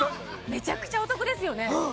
めちゃくちゃお得ですよね